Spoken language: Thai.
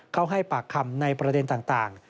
เขาให้ปากคำในประเด็นต่าง